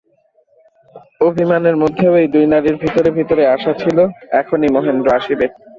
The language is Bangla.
অভিমানেরমধ্যেও এই দুই নারীর ভিতরে ভিতরে আশা ছিল, এখনই মহেন্দ্র আসিবে।